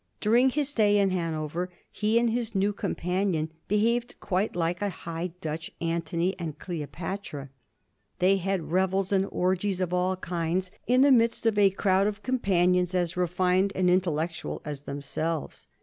During his stay in Hanover he and his new companion behaved quite like a high Dutch Antony and Cleopatra; They had revels and orgies of all kinds in the midst of a crowd of companions as refined and intellectual as themselves.